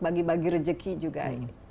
bagi bagi rezeki juga